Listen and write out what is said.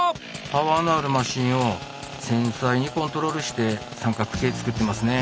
パワーのあるマシンを繊細にコントロールして三角形作ってますね。